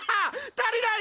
足りない！